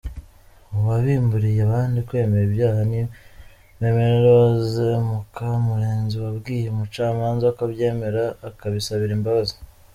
Uwabimburiye abandi kwemera ibyaha ni Mme Rose Mukamurenzi wabwiye umucamanza ko abyemera akabisabira imbabazi.